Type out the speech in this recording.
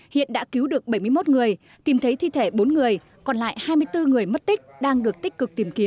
hiện đã cứu được bảy mươi một người tìm thấy thi thể bốn người còn lại hai mươi bốn người mất tích